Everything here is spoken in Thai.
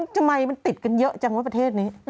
ทำไมมันติดกันเยอะจังวะประเทศนี้